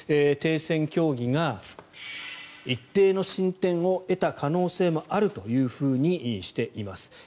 停戦協議が一定の進展を得た可能性もあるとしています。